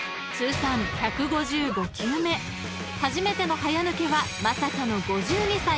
［初めての早抜けはまさかの］